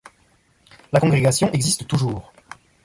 La congrégation existe toujours.